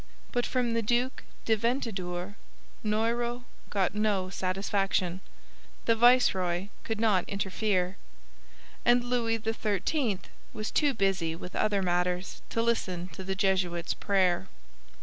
But from the Duc de Ventadour Noyrot got no satisfaction; the viceroy could not interfere. And Louis XIII was too busy with other matters to listen to the Jesuit's prayer.